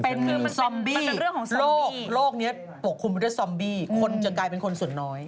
เป็นคือซอมบี้โรคนี้ปกคลุมไปด้วยซอมบี้คนจะกลายเป็นคนส่วนน้อย